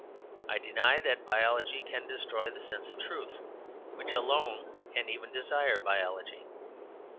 I deny that biology can destroy the sense of truth, which alone can even desire biology.